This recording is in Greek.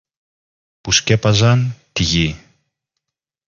που σκέπαζαν τη γη.